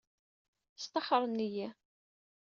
Staxren-iyi.